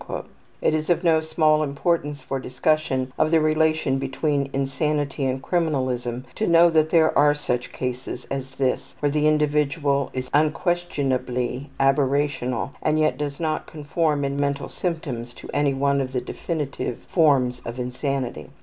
'' It is of no small importance for discussion of the relation between insanity and criminalism to know that there are such cases as this where the individual is unquestionably aberrational and yet does not conform in mental symptoms to any one of the definitive ``forms of insanity.''